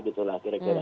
gitu lah kira kira